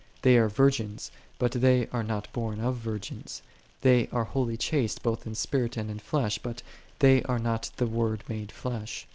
They are virgins, but they are not also born of virgins. They are wholly chaste both in spirit and in flesh: but they are not the Word made flesh.